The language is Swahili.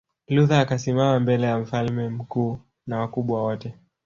Luther akasimama mbele ya Mfalme mkuu na wakubwa wote